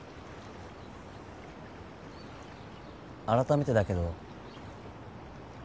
あらためてだけど。